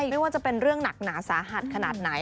ไม่ว่าจะเป็นเรื่องหนักหนาสาหัสขนาดไหน